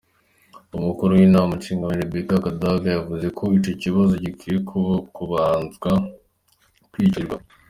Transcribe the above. Umukuru w'inama nshingamateka, Rebecca Kadaga yavuze ko ico kibazo gikwiye kubanza kwicarigwa.